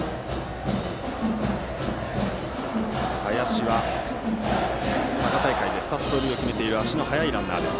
林は佐賀大会で２つ盗塁を決めている足の速いランナーです。